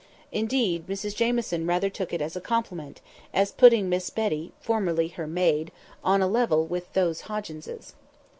Indeed, Mrs Jamieson rather took it as a compliment, as putting Miss Betty (formerly her maid) on a level with "those Hogginses."